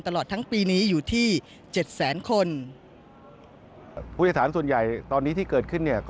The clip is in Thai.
ตลอดทั้งปีนี้อยู่ที่๗๐๐๐๐๐คน